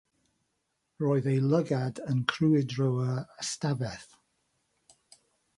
Roedd ei lygad yn crwydro'r ystafell.